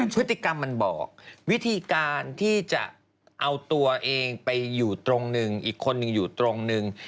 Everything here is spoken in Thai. พฤติกรรมมันบอกวิธีการที่จะเอาตัวเองไปอยู่ตรงหนึ่งอีกคนนึงอยู่ตรงนึง